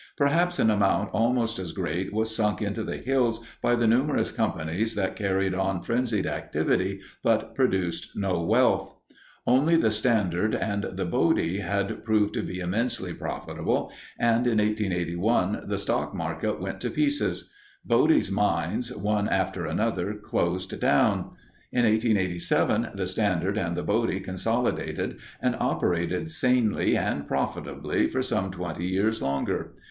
Perhaps an amount almost as great was sunk into the hills by the numerous companies that carried on frenzied activity but produced no wealth. Only the Standard and the Bodie had proved to be immensely profitable, and in 1881 the stock market went to pieces. Bodie's mines, one after another, closed down. In 1887 the Standard and the Bodie consolidated and operated sanely and profitably for some twenty years longer.